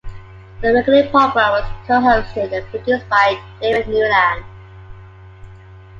The weekly program was co-hosted and produced by David Newland.